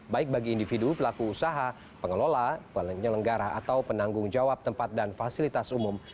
baik bagi individu pelaku usaha pengelola penyelenggara atau penanggung jawab tempat dan fasilitas umum